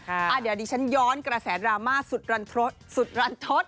เดี๋ยวดิฉันย้อนกระแสดราม่าสุดรันทศสุดรันทศ